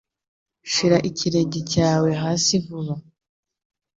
Shira ikirenge cyawe hasivuba